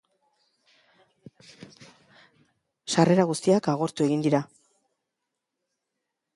Sarrera guztiak agortu egin dira.